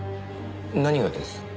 何がです？